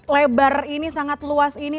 lebar ini sangat luas ini